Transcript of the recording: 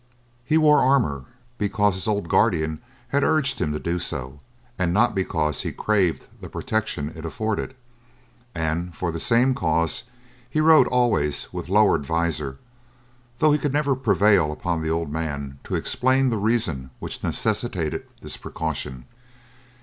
He wore armor because his old guardian had urged him to do so, and not because he craved the protection it afforded. And, for the same cause, he rode always with lowered visor, though he could never prevail upon the old man to explain the reason which necessitated this precaution.